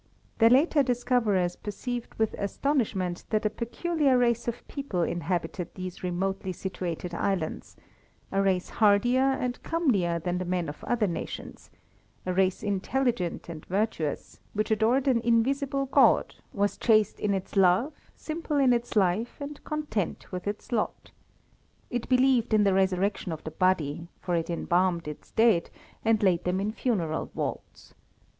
Their later discoverers perceived with astonishment that a peculiar race of people inhabited these remotely situated islands a race hardier and comelier than the men of other nations; a race intelligent and virtuous, which adored an invisible God, was chaste in its love, simple in its life, and content with its lot. It believed in the resurrection of the body, for it embalmed its dead, and laid them in funeral vaults.